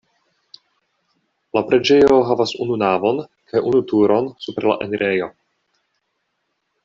La preĝejo havas unu navon kaj unu turon super la enirejo.